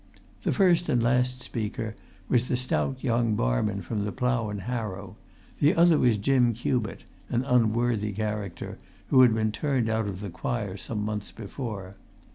The first and last speaker was the stout young barman from the Plough and Harrow; the other was Jim Cubitt, an unworthy character who had been turned out of the choir some months before.